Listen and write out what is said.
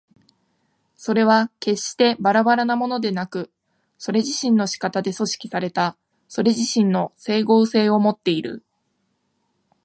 それは決してばらばらなものでなく、それ自身の仕方で組織されたそれ自身の斉合性をもっている。